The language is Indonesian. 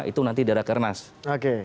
itu nanti darak ernast